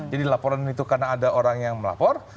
jadi laporan itu karena ada orang yang melapor